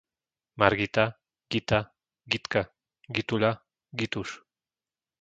Margita, Gita, Gitka, Gituľa, Gituš